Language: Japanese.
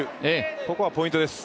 ここがポイントです。